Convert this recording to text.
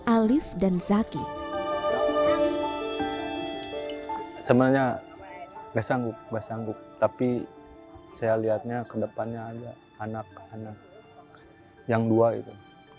alif dan zaky sebenarnya besok basangguk tapi saya lihatnya kedepannya ada anak anak yang dua itu